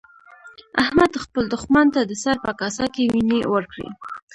احمد خپل دوښمن ته د سر په کاسه کې وينې ورکړې.